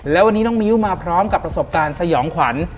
แล้ววันนี้น้องมิ้วมาพร้อมกับประสบการณ์สยองขวัญ